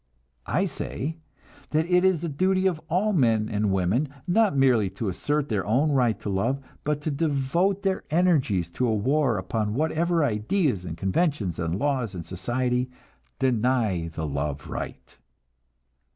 I say that it is the duty of all men and women, not merely to assert their own right to love, but to devote their energies to a war upon whatever ideas and conventions and laws in society deny the love right.